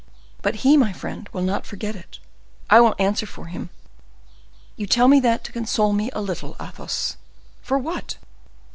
"But he, my friend, will not forget it, I will answer for him." "You tell me that to console me a little, Athos." "For what?"